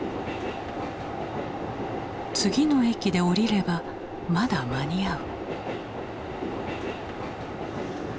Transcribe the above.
次の駅で降りればまだ間に合う。